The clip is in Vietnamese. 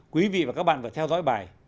quý vị và các bạn phải theo dõi bài